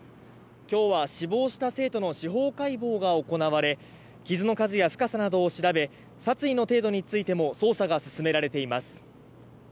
今日は死亡した生徒の司法解剖が行われ傷の数や深さなどを調べ殺意の程度についても捜査が進められています。